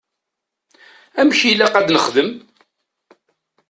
Amek i ilaq ad nexdem?